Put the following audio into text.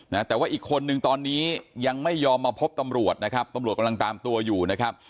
นะแต่ว่าอีกคนนึงตอนนี้ยังไม่ยอมมาพบตำรวจนะครับตำรวจกำลังตามตัวอยู่นะครับ